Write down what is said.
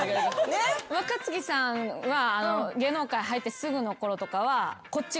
若槻さんは芸能界入ってすぐのころとかは。